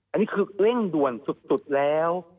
อันนี้คือเร่งด่วนสุดแล้ว